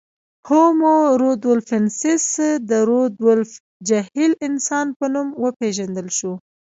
هومو رودولفنسیس د رودولف جهیل انسان په نوم وپېژندل شو.